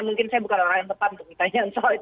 mungkin saya bukan orang yang tepat untuk ditanya soal itu